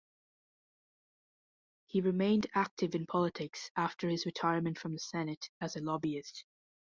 He remained active in politics after his retirement from the Senate as a lobbyist.